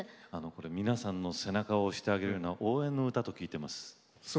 これ皆さんの背中を押してあげるような応援の歌と聞いてます。